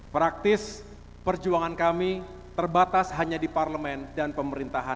praktis perjuangan kami terbatas hanya di parlemen dan pemerintahan